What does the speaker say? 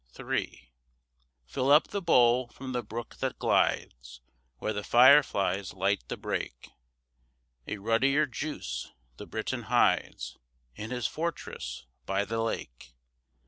III Fill up the bowl from the brook that glides Where the fire flies light the brake; A ruddier juice the Briton hides In his fortress by the lake.